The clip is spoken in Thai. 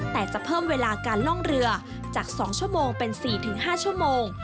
แต่จะเพิ่มเวลาการล่องเรือจาก๒ชั่วโมงเป็น๔๕ชั่วโมง